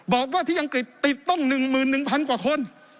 บอกว่าที่อังกฤษติดต้อง๑๑๐๐กว่าคน